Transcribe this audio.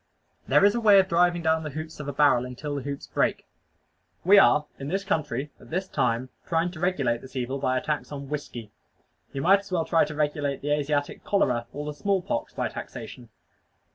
There is a way of driving down the hoops of a barrel until the hoops break. We are in this country, at this time, trying to regulate this evil by a tax on whiskey. You might as well try to regulate the Asiatic cholera, or the small pox, by taxation.